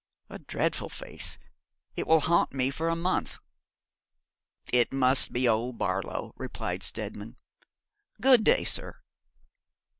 A dreadful face. It will haunt me for a month.' 'It must be old Barlow,' replied Steadman. 'Good day, sir.'